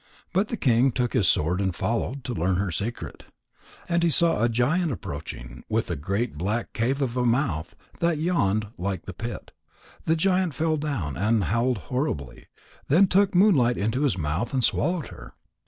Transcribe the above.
But the king took his sword and followed, to learn her secret. And he saw a giant approaching with a great black cave of a mouth that yawned like the pit. The giant fell down and howled horribly, then took Moonlight into his mouth and swallowed her.